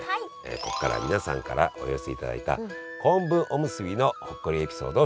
ここからは皆さんからお寄せいただいたこんぶおむすびのほっこりエピソードを紹介するコーナーです。